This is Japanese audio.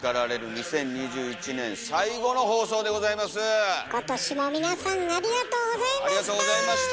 今年も皆さんありがとうございました！